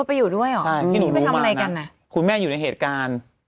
ไปอยู่ด้วยเหรอใช่พี่หนูไปทำอะไรกันอ่ะคุณแม่อยู่ในเหตุการณ์